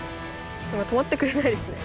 とまってくれないですね。